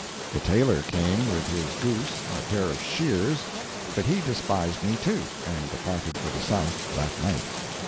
The tailor came with his goose and a pair of shears; but he despised me too, and departed for the South that night.